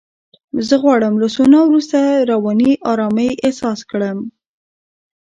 زه غواړم له سونا وروسته رواني آرامۍ احساس کړم.